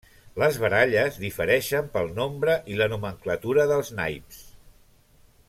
Les baralles difereixen pel nombre i la nomenclatura dels naips.